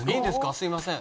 すみません。